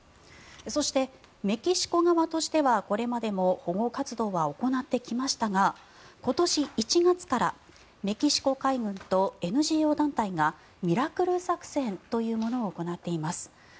そして、メキシコ側としてはこれまでも保護活動は行ってきましたが今年１月からメキシコ海軍とＮＧＯ団体がミラクル作戦というものを行っています。